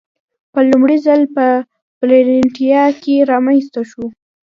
په لومړي ځل په برېټانیا کې رامنځته شول.